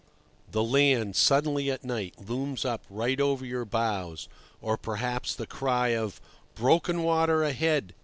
The land suddenly at night looms up right over your bows, or perhaps the cry of "Broken water ahead!"